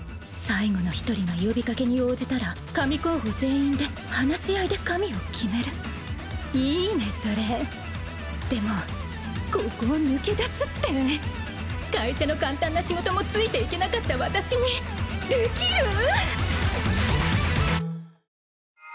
最後の１人が呼びかけに応じたら神候補全員で話し合いで神を決めるいいねそれでもここを抜け出すって会社の簡単な仕事もついていけなかった私にできる？